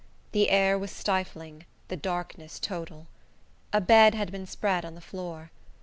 The air was stifling; the darkness total. A bed had been spread on the floor.